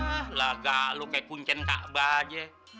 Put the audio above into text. ah lagak lo kayak kuncin ka'bah aja